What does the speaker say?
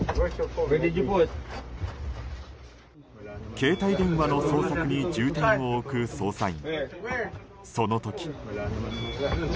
携帯電話の捜索に重点を置く捜査員。